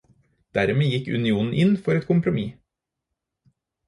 Dermed gikk unionen inn for et kompromiss.